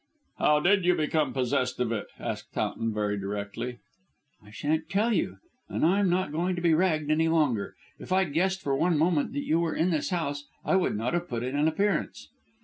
"How did you become possessed of it?" asked Towton very directly. "I shan't tell you. And I'm not going to be ragged any longer. If I'd guessed for one moment that you were in this house I would not have put in an appearance."